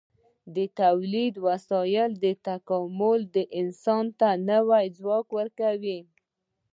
د تولیدي وسایلو تکامل انسان ته نوی ځواک ورکړ.